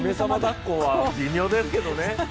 っこは微妙ですけどね。